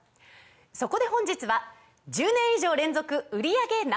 そこで本日は１０年以上連続売り上げＮｏ．１